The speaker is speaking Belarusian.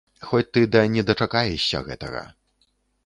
Хоць ты да не дачакаешся гэтага.